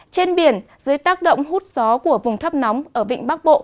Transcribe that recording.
trên biển dưới tác động hút gió của vùng thấp nóng ở vịnh bắc bộ